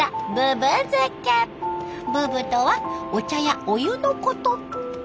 「ぶぶ」とはお茶やお湯のこと。